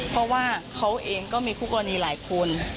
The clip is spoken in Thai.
เพราะว่าเขาเองก็มีคู่กรณีหลายคน